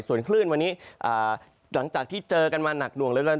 ส่วนคลื่นวันนี้หลังจากที่เจอกันมาหนักดวงเรื่อย